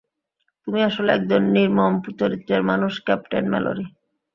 তুমি আসলে একজন নির্মম চরিত্রের মানুষ, ক্যাপ্টেন ম্যালরি।